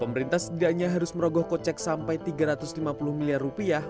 pemerintah setidaknya harus merogoh kocek sampai tiga ratus lima puluh miliar rupiah